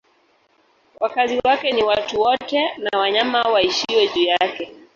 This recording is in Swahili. Wakazi wake ni watu wote na wanyama waishio juu yake.